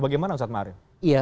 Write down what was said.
bagaimana ustadz ma'arif